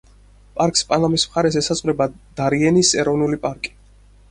პარკს პანამის მხარეს ესაზღვრება დარიენის ეროვნული პარკი.